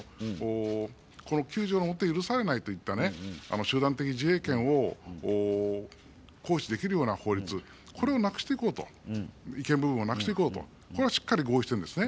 ９条をもって許されないといった集団的自衛権を行使できるような法律、これをなくしていこうと違憲部分をなくしていこうとこれはしっかり合意してるんですね。